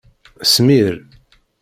Smir.